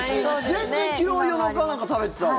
全然昨日、夜中なんか食べてたわ。